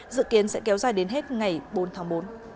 dự kiến sẽ kéo dài đến hết ngày bốn tháng bốn